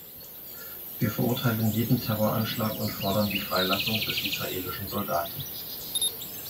Wir verurteilen jeden Terroranschlag und fordern die Freilassung des israelischen Soldaten.